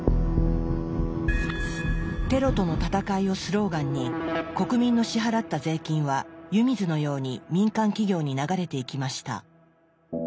「テロとの戦い」をスローガンに国民の支払った税金は湯水のように民間企業に流れていきました。